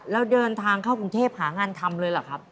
แล้วเดินทางเข้ากรุงเทพหางานทำเลยเหรอครับ